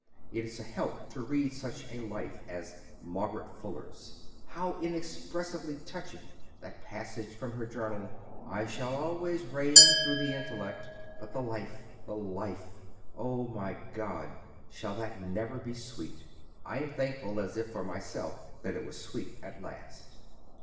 It is a help to read such a life as Margaret Fuller's. How inexpressibly touching that passage from her journal, 'I shall always reign through the intellect, but the life! the life! O my God! shall that never be sweet?' I am thankful, as if for myself, that it was sweet at last."